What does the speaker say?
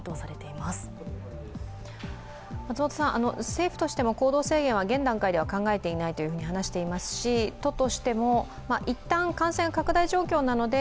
政府としても行動制限は現段階では考えていないと話していますし都としてもいったん感染が拡大状況なので